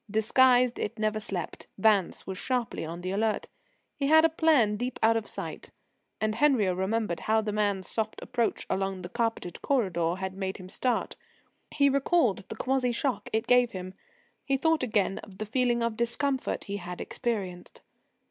Disguised, it never slept. Vance was sharply on the alert. He had a plan deep out of sight. And Henriot remembered how the man's soft approach along the carpeted corridor had made him start. He recalled the quasi shock it gave him. He thought again of the feeling of discomfort he had experienced.